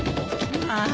ああ。